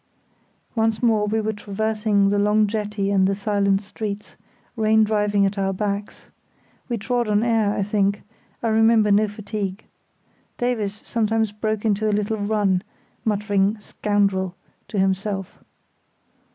Once more we were traversing the long jetty and the silent streets, rain driving at our backs. We trod on air, I think; I remember no fatigue. Davies sometimes broke into a little run, muttering "scoundrel" to himself.